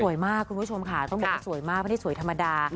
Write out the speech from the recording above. สวยมากคุณผู้ชมค่ะต้องบอกสวยมากพันธุ์สวยธรรมดา